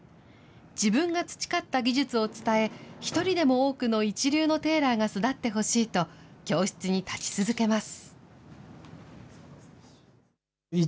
自分が培った技術を伝え、１人でも多くの一流のテーラーが巣だってほしいと、教室に立ち続けます。